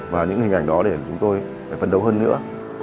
và những hình ảnh đó để chúng tôi phấn đấu hơn nữa